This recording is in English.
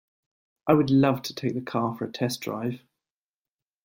I would love to take the car for a test drive.